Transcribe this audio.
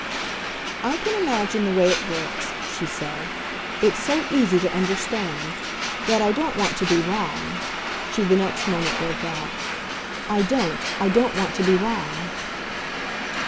"I can imagine the way it works," she said; "it's so easy to understand. Yet I don't want to be wrong," she the next moment broke out "I don't, I don't want to be wrong!"